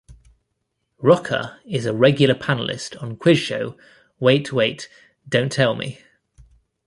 Rocca is a regular panelist on quiz show Wait Wait... Don't Tell Me!